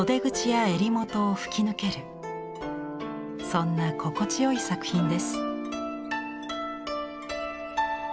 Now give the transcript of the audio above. そんな心地よい作品です。